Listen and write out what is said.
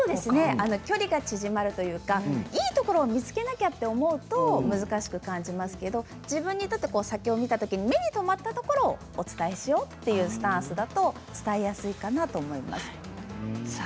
距離が縮まるというかいいところを見つけなきゃと思うと難しく感じますが自分にとって先を見たとき目にとまったところをお伝えしようというスタンスだと伝えやすいかなと思います。